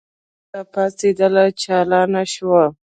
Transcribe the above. پېغله چټک پاڅېدله چالانه شوه.